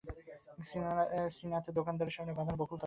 শ্রীনাথের দোকানের সামনে, বাঁধানো বকুলতলায়, কায়েতপাড়ার পথে।